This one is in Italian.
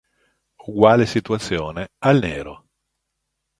Uguale situazione ha il nero.